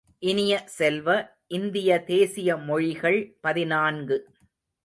இனிய செல்வ, இந்திய தேசிய மொழிகள் பதினான்கு .